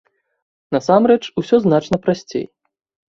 Насамрэч, усё значна прасцей.